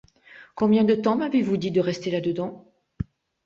Combien de temps m'avez-vous dit de rester là-dedans ?